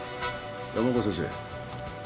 山岡先生。